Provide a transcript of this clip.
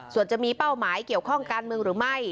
ส่วนจะมีเป้าหมายเกี่ยวข้องการเมืองหรือไม่